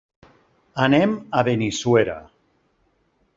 Anem a Benissuera.